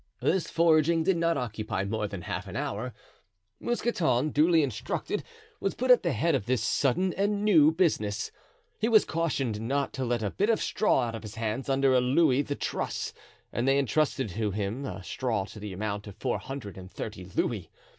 This foraging did not occupy more than half an hour. Mousqueton, duly instructed, was put at the head of this sudden and new business. He was cautioned not to let a bit of straw out of his hands under a louis the truss, and they intrusted to him straw to the amount of four hundred and thirty louis.